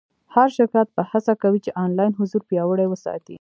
هر شرکت به هڅه کوي چې آنلاین حضور پیاوړی وساتي.